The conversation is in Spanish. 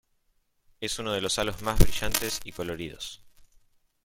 Es uno de los halos más brillantes y coloridos.